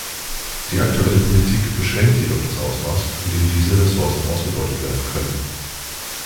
Die aktuelle Politik beschränkt jedoch das Ausmaß, in dem diese Ressourcen ausgebeutet werden können.